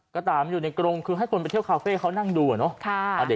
กระต่ามันอยู่ในกรงคือให้คนไปเที่ยวคาเฟ่เขานั่งดูอะเนาะ